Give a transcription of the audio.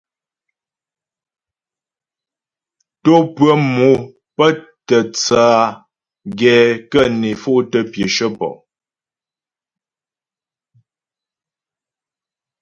Tò pʉə̀ mò pə́ tə tsə á gɛ kə́ né fo'tə pyəshə pɔ.